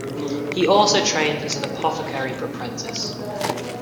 He also trained as an apothecary apprentice.